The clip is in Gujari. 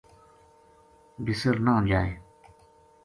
بِسر نہ جائے۔